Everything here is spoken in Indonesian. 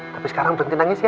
tapi sekarang berhenti nangis ya